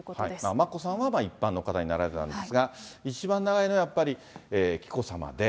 眞子さんは一般の方になられたんですが、一番長いのはやっぱり紀子さまで。